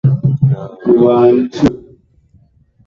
vya kuridhisha kwa kawaida Mwongozo wa Utambuzi na Takwimu ya